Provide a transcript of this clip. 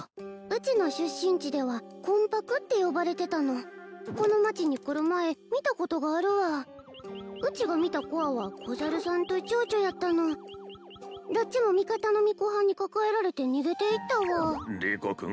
うちの出身地では魂魄って呼ばれてたのこの町に来る前見たことがあるわうちが見たコアは子猿さんと蝶々やったのどっちも味方の巫女はんに抱えられて逃げていったわリコ君